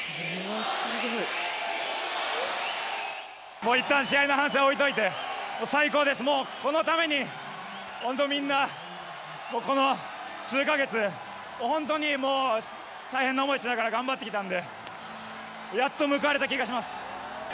もういったん試合の話は置いといて、最高です、もう、このために、本当、みんな、この数か月、本当にもう、大変な思いしながら頑張ってきたんで、やっと報われた気がします。